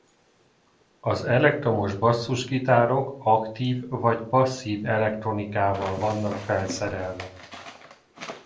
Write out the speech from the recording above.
Az elektromos basszusgitárok aktív vagy passzív elektronikával vannak felszerelve.